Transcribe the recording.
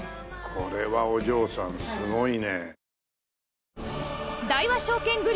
これはお嬢さんすごいね。